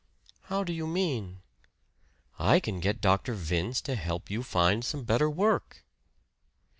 "How do you mean?" "I can get Dr. Vince to help you find some better work."